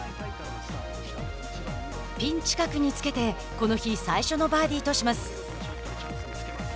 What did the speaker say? ピン近くにつけてこの日、最初のバーディーとします。